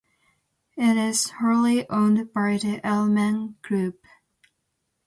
It is wholly owned by the Aleman Group.